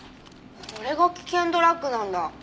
これが危険ドラッグなんだ。